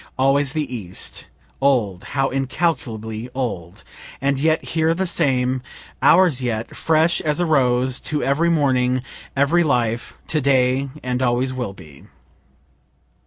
Always the East old, how incalculably old! And yet here the same ours yet, fresh as a rose, to every morning, every life, to day and always will be.